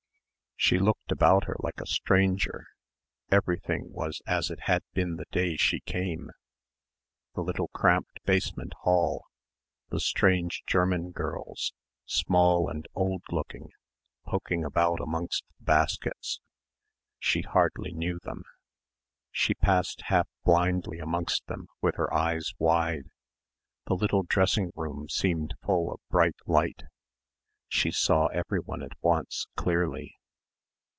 She looked about her like a stranger everything was as it had been the day she came the little cramped basement hall the strange German girls small and old looking, poking about amongst the baskets. She hardly knew them. She passed half blindly amongst them with her eyes wide. The little dressing room seemed full of bright light. She saw everyone at once clearly.